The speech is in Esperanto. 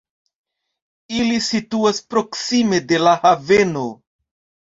Ili situas proksime de la haveno.